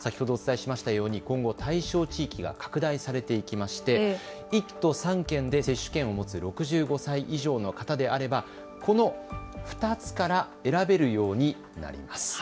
この大規模接種センターでの予約の受け付けは先ほどお伝えしましたように今後、対象地域が拡大されていきまして１都３県で接種券を持つ６５歳以上の方であればこの２つから選べるようになります。